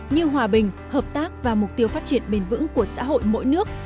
như hòa bình hợp tác và mục tiêu phát triển bền vững của xã hội mỗi nước